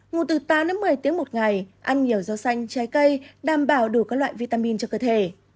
ngủ từ tám đến một mươi tiếng một ngày ăn nhiều rau xanh trái cây đảm bảo đủ các loại vitamin cho cơ thể